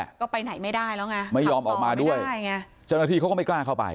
พี่สาวก็ไปไหนไม่ได้แล้วไงไม่ยอมออกมาด้วยเจ้าหน้าที่ก็ไม่กล้าเข้าไป